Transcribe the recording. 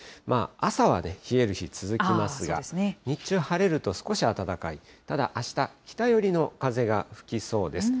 朝は冷える日、続きますが、日中、晴れると少し暖かい、ただあした、北寄りの風が吹きそうです。